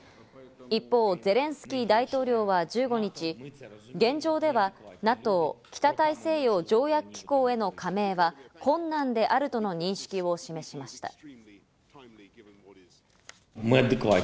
一方、ゼレンスキー大統領は１５日、現状ではＮＡＴＯ＝北大西洋条約機構への加盟は困難であるとの認識を示しました。